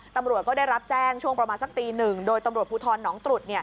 ตำรวจก็ได้รับแจ้งช่วงประมาณสักตีหนึ่งโดยตำรวจภูทรหนองตรุษ